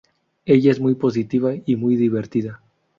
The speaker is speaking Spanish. Ella es muy positiva y muy divertida.